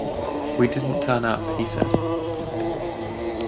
"We didn't turn up," he said.